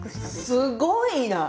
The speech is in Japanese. すごいな！